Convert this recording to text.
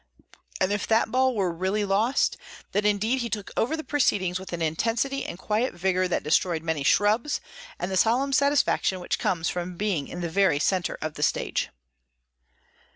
And if that ball were really lost, then indeed he took over the proceedings with an intensity and quiet vigour that destroyed many shrubs, and the solemn satisfaction which comes from being in the very centre of the stage.